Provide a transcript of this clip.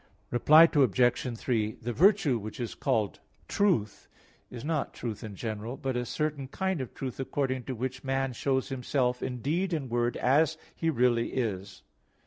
Reply Obj. 3: The virtue which is called "truth" is not truth in general, but a certain kind of truth according to which man shows himself in deed and word as he really is.